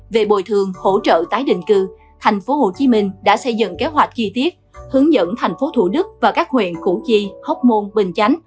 về bồi thường hỗ trợ tái định cư tp hcm đã xây dựng kế hoạch chi tiết hướng dẫn tp thủ đức và các huyện củ chi hóc môn bình chánh